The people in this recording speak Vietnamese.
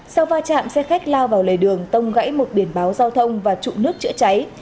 sau va chạm xe khách lao vào lề đường tông gãy một biển báo giao thông và trụ nước chữa cháy